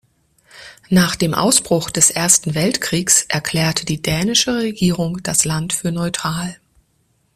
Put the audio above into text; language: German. Nach dem Ausbruch des Ersten Weltkriegs erklärte die dänische Regierung das Land für neutral.